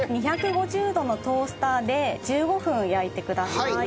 ２５０度のトースターで１５分焼いてください。